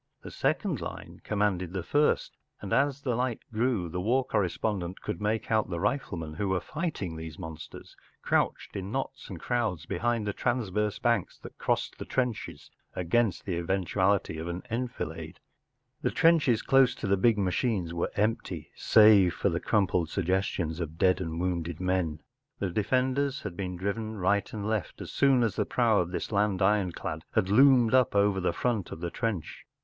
The second line commanded the first, and as the light grew the war correspondent could make out the riflemen who were fighting these monsters, crouched in knots and crowds behind the transverse banks that crossed the trenches against the eventuality of an enfilade. The trenches close to the big machines were empty save for the crumpled suggestions of dead and wounded men; the defenders had been driven right and left as soon as the prow of this land ironclad had loomed up over the front of the trench.